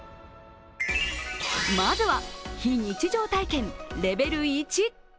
まずは、非日常体験レベル１。